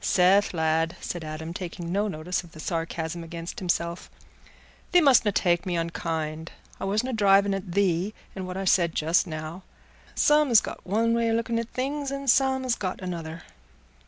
"Seth, lad," said Adam, taking no notice of the sarcasm against himself, "thee mustna take me unkind. I wasna driving at thee in what I said just now. Some 's got one way o' looking at things and some 's got another."